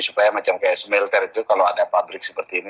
supaya semelter itu kalau ada pabrik seperti ini